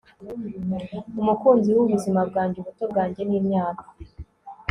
umukunzi wubuzima bwanjye, ubuto bwanjye nimyaka